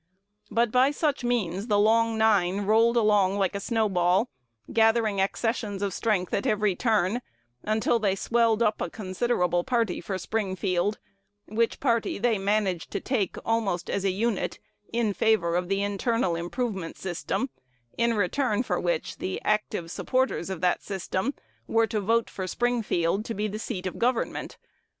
But by such means 'The Long Nine' rolled along like a snowball, gathering accessions of strength at every turn, until they swelled up a considerable party for Springfield, which party they managed to take almost as a unit in favor of the internal improvement system, in return for which the active supporters of that system were to vote for Springfield to be the seat of government.